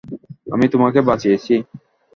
আমি তোমাকে বাঁচিয়েছি।